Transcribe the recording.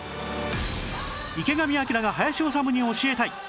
池上彰が林修に教えたい！